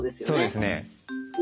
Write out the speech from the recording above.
そうですね。